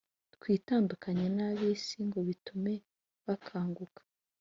Twitandukanye n'ab'isi, Ngo bitume bakanguka,